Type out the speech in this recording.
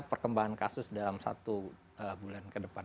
perkembangan kasus dalam satu bulan ke depan